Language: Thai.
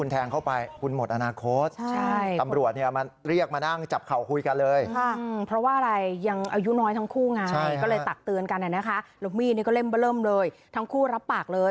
เต็มเบลิ่มเลยทั้งคู่รับปากเลย